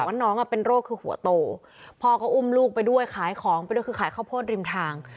ว่าน้องเป็นโรคคือหัวโตพ่อก็อุ้มลูกไปด้วยขายของไปด้วยคือขายข้าวโพดริมทาง